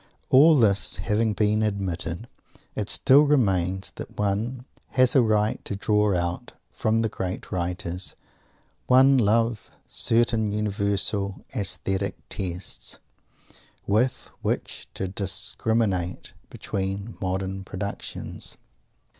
All this having been admitted, it still remains that one has a right to draw out from the great writers one loves certain universal aesthetic tests, with which to discriminate between modern productions.